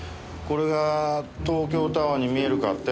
これが東京タワーに見えるかって？